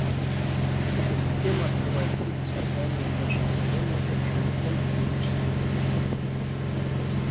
Эта система открывает путь к созданию в нашем регионе общего фонда физических денежных средств.